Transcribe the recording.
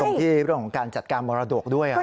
ตรงที่เรื่องการจัดการมรดกด้วย